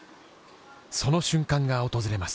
その瞬間が訪れます。